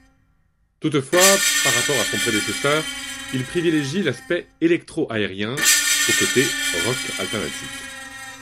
Toutefois, par rapport à son prédécesseur, il privilégie l'aspect électro-aérien au côté rock alternatif.